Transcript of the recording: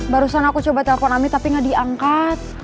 barusan aku coba telpon ami tapi gak diangkat